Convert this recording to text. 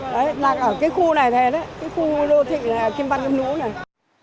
đấy là ở cái khu này thế đấy cái khu đô thị kim văn kim lũ này